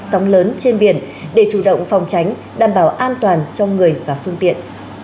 sóng lớn trên biển để chủ động phòng tránh đảm bảo an toàn cho người và phương tiện